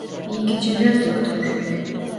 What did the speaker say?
İyi geceler doktor.